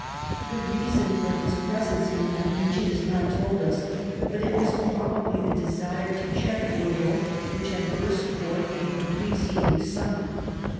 The reason for his presence in that re gion is not told us, but it was probably the desire to check the revolt which had burst forth in the pre ceding summer.